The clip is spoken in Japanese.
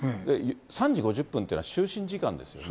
３時５０分というのは、就寝時間ですよね。